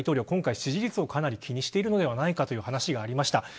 今回、支持率をかなり気にしてるのではないかという話がありました。